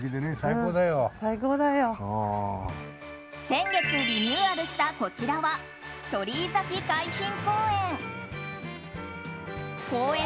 先月リニューアルしたこちらは鳥居崎海浜公園。